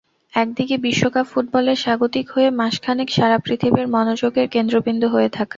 একদিকে বিশ্বকাপ ফুটবলের স্বাগতিক হয়ে মাস খানেক সারা পৃথিবীর মনোযোগের কেন্দ্রবিন্দু হয়ে থাকা।